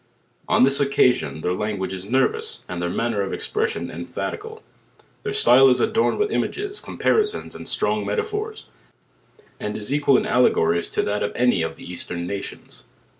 On this occasion their language is nervous, and their man ner of expression emphatical. Their style is adorned with images, comparisons and t trong metaphors, and is equal in allegories to that of any of the eastern nations.